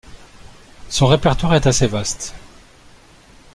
Son répertoire est assez vaste.